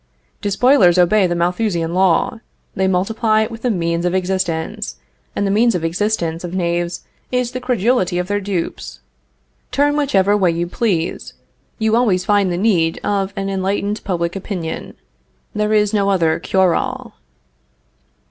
Despoilers obey the Malthusian law; they multiply with the means of existence, and the means of existence of knaves is the credulity of their dupes. Turn whichever way you please, you always find the need of an enlightened public opinion. There is no other cure all.